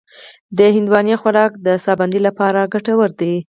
د هندواڼې خوراک د ساه بندۍ لپاره ګټور دی.